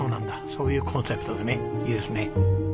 そういうコンセプトでねいいですね。